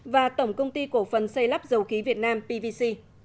và tổng công ty cổ phần xây lắp dầu khí việt nam pvc